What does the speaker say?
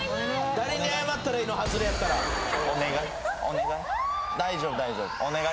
誰に謝ったらいいのハズレやったらお願い